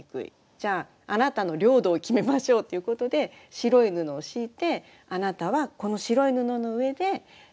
じゃああなたの領土を決めましょうっていうことで白い布を敷いてあなたはこの白い布の上でブロック遊びしてって。